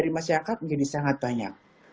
di masyarakat menjadi sangat banyak